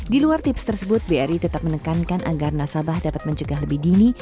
di luar tips tersebut bri tetap menekankan agar nasabah dapat mencegah lebih dini